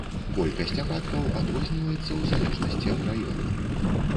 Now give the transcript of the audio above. Колькасць ападкаў адрозніваецца ў залежнасці ад раёна.